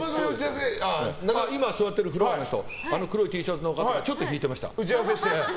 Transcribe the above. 今、座ってるフロアの人あの黒いＴシャツの方ちょっと引いてました。